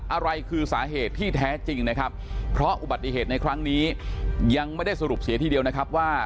อะไรคือสาเหตุที่แท้จริงนะครับเพราะอุบัติเหตุในครั้งนี้ยังไม่ได้สรุปเสียทีเดียวนะครับว่า